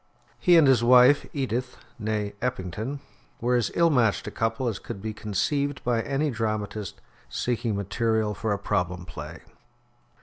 He and his wife, Edith (nee Eppington), were as ill matched a couple as could be conceived by any dramatist seeking material for a problem play.